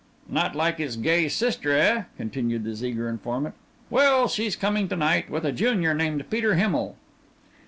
"Not like his gay sister, eh?" continued his eager informant. "Well, she's coming to night with a junior named Peter Himmel."